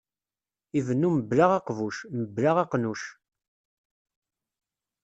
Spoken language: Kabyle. Ibennu mebla aqbuc, mebla aqnuc.